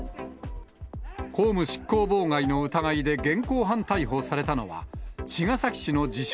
公務執行妨害の疑いで現行犯逮捕されたのは、茅ヶ崎市の自称